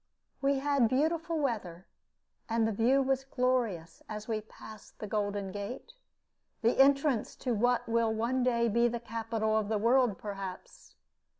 We had beautiful weather, and the view was glorious, as we passed the Golden Gate, the entrance to what will one day be the capital of the world, perhaps.